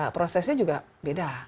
prosesnya juga beda